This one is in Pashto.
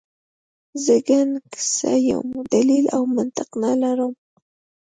زه ګنګسه یم، دلیل او منطق نه لرم.